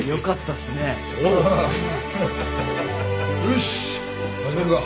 よし始めるか。